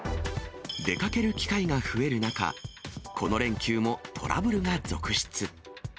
出かける機会が増える中、この連休もトラブルが続出。